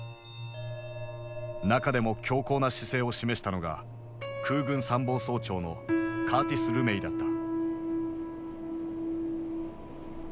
中でも強硬な姿勢を示したのが空軍参謀総長のカーティス・ルメイだった。